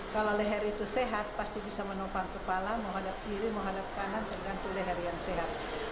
kalau leher itu sehat pasti bisa menopang kepala menghadap kiri menghadap kanan tergantung leher yang sehat